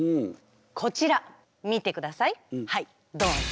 こちら見てくださいはいどん！